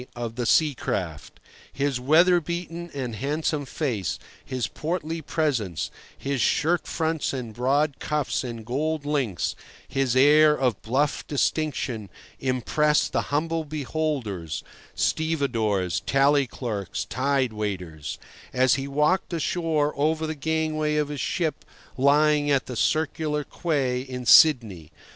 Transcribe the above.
of the sea craft. His weather beaten and handsome face, his portly presence, his shirt fronts and broad cuffs and gold links, his air of bluff distinction, impressed the humble beholders (stevedores, tally clerks, tide waiters) as he walked ashore over the gangway of his ship lying at the Circular Quay in Sydney.